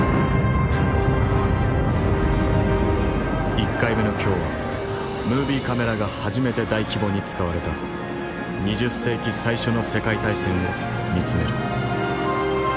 １回目の今日はムービーカメラが初めて大規模に使われた２０世紀最初の世界大戦を見つめる。